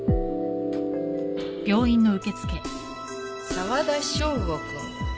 沢田省吾君。